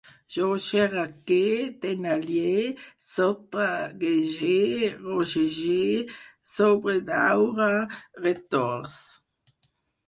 Jo xerraque, tenalle, sotraguege, rogege, sobredaure, retorç